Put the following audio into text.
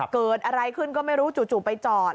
เกิดอะไรขึ้นก็ไม่รู้จู่ไปจอด